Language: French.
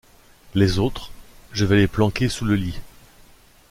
Les autres, je vais les planquer sous le lit.